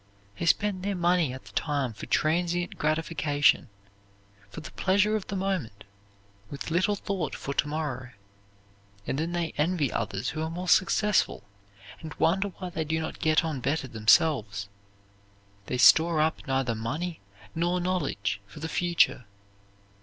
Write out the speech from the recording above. They spend their money at the time for transient gratification, for the pleasure of the moment, with little thought for to morrow, and then they envy others who are more successful, and wonder why they do not get on better themselves. They store up neither money nor knowledge for the future.